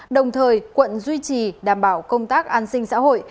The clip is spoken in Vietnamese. đồng thời quận duy trì đảm bảo công tác an sinh xã hội